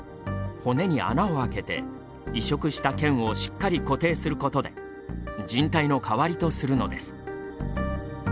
骨に穴を開けて移植した腱をしっかり固定することでじん帯の代わりとするのです。